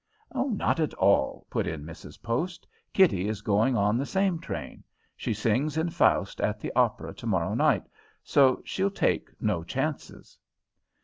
"Not at all," put in Mrs. Post. "Kitty is going on the same train. She sings in Faust at the opera tomorrow night, so she'll take no chances."